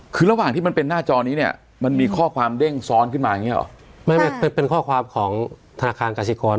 ก่อนที่โทรศัพท์จะกลับมาใช้ได้แล้วก็มีข้อความจัดการ